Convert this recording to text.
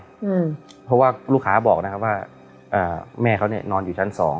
เพราะว่าลูกค้าบอกนะครับว่าอ่าแม่เขาเนี่ยนอนอยู่ชั้นสอง